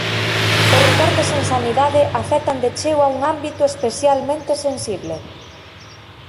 Os recortes en sanidade afectan de cheo a un ámbito especialmente sensible.